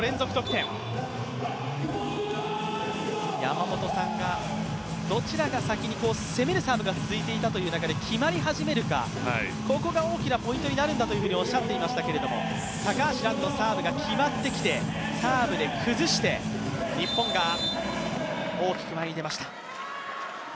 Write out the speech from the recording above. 山本さんがどちらが先に、攻めるサーブが続いていたということで決まり始めるか、ここが大きなポイントになるんだとおっしゃっていましたけれども、高橋藍のサーブが決まってきて、サーブで崩して、日本が大きく前に出ました。